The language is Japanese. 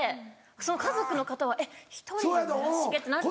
その家族の方は「えっ１人で村重」って。